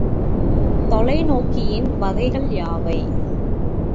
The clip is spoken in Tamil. தொலைநோக்கியின் வகைகள் யாவை?